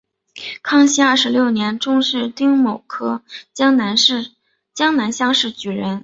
康熙二十六年中式丁卯科江南乡试举人。